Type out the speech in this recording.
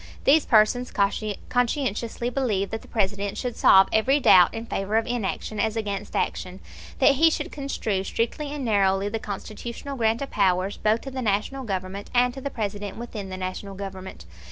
These persons conscientiously believe that the President should solve every doubt in favor of inaction as against action, that he should construe strictly and narrowly the Constitutional grant of powers both to the National Government, and to the President within the National Government.